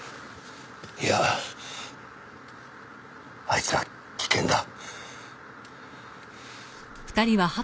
いやあいつは危険だ。